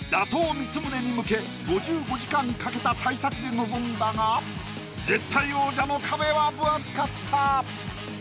光宗に向け５５時間かけた大作で臨んだが絶対王者の壁は分厚かった。